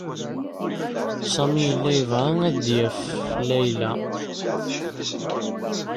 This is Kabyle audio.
Sami yella yebɣa ad d-yaf Layla.